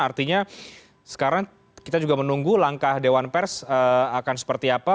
artinya sekarang kita juga menunggu langkah dewan pers akan seperti apa